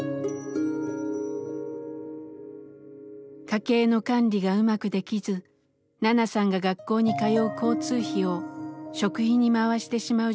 家計の管理がうまくできずナナさんが学校に通う交通費を食費に回してしまう状況が続いていました。